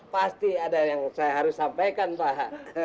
pasti ada yang saya harus sampaikan pak